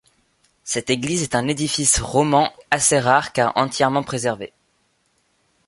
Cette église est un édifice roman assez rare car entièrement préservée.